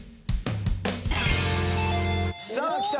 さあきた。